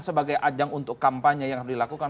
sebagai ajang untuk kampanye yang dilakukan